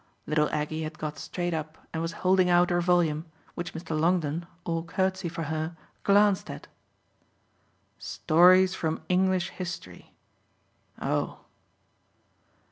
Little Aggie had got straight up and was holding out her volume, which Mr. Longdon, all courtesy for her, glanced at. "Stories from English History. Oh!"